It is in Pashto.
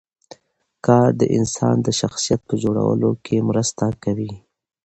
کار د انسان د شخصیت په جوړولو کې مرسته کوي